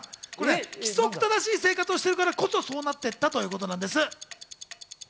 規則正しい生活をしているからこそ、そうなっていたというわけなんです。